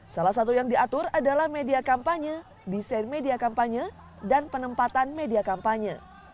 salah satu yang diatur adalah media kampanye desain media kampanye dan penempatan media kampanye